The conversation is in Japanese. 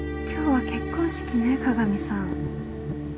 今日は結婚式ね加賀美さん。